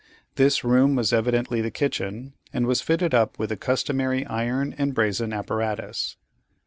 This room was evidently the kitchen, and was fitted up with the customary iron and brazen apparatus.